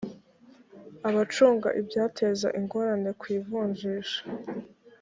abacunga ibyateza ingorane ku ivunjisha